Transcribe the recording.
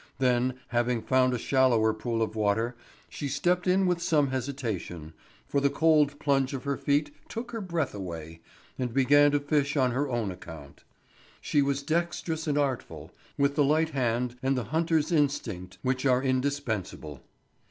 Then, having found a shallower pool of water, she stepped in with some hesitation, for the cold plunge of her feet took her breath away, and began to fish on her own account. She was dextrous and artful, with the light hand and the hunter's instinct which are indispensable.